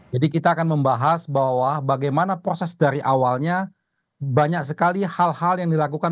kita akan membahas bahwa bagaimana proses dari awalnya banyak sekali hal hal yang dilakukan